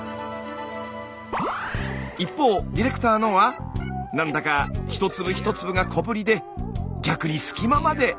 一方ディレクターのは何だか一粒一粒が小ぶりで逆に隙間まで！